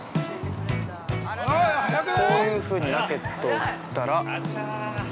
こういうふうにラケットを振ったら。